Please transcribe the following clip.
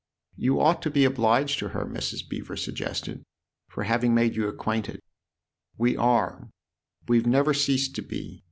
"You ought to be obliged to her," Mrs. Beever suggested, " for having made you acquainted." " We are we've never ceased to be.